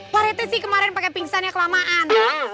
pak rete sih kemarin pake pingsan yang kelamaan